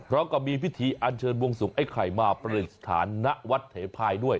แล้วก็มีพิธีอัญเชิญบวงสุงไอ้ไข่มาประติศาสตร์ณวัดเถพลายด้วย